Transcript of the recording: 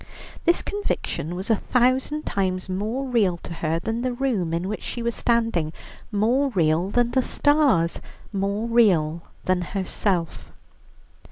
This conviction was a thousand times more real to her than the room in which she was standing, more real than the stars, more real than herself.